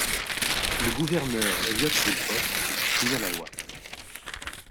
Le Gouverneur Elliott Woolfolk signa la loi.